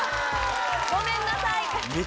ごめんなさい。